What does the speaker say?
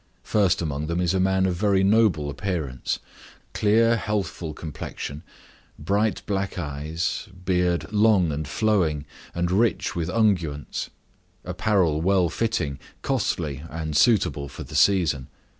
First among them a man of very noble appearance—clear, healthful complexion; bright black eyes; beard long and flowing, and rich with unguents; apparel well fitting, costly, and suitable for the season.